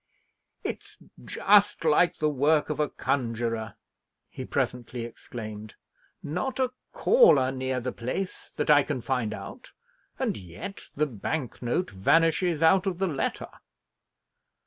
"It's just like the work of a conjuror!" he presently exclaimed. "Not a caller near the place, that I can find out, and yet the bank note vanishes out of the letter!